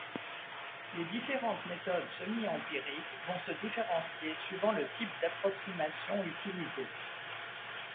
Les différentes méthodes semi-empiriques vont se différentier suivant le type d'approximation utilisée.